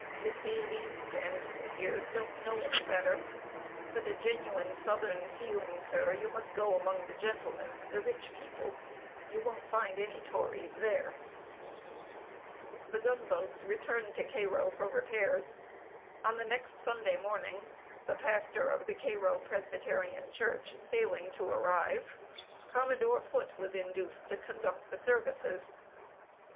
You see, these d d Hoosiers don't know any better. For the genuine southern feeling, sir, you must go among the gentlemen the rich people. You won't find any Tories there." [Sidenote: COMMODORE FOOTE IN THE PULPIT.] The gunboats returned to Cairo for repairs. On the next Sunday morning, the pastor of the Cairo Presbyterian Church failing to arrive, Commodore Foote was induced to conduct the services.